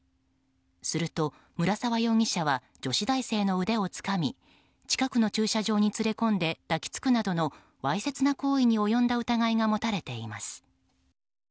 すると、村沢容疑者は女子大生の腕をつかみ近くの駐車場に連れ込んで抱き着くなどのわいせつな行為に及んだ疑いが持たれています。